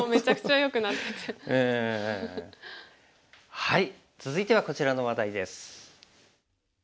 はい続いてはこちらの話題です。